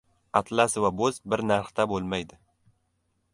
• Atlas va bo‘z bir narhda bo‘lmaydi.